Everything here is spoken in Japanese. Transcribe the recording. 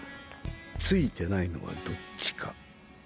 ツイてないのはどっちか。